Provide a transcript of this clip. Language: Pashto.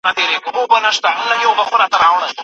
موږ بايد د سياست په اړه د علمي ميتودونو کار واخلي.